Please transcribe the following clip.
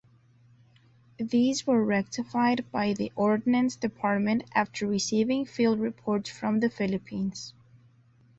These were rectified by the Ordnance Department after receiving field reports from the Philippines.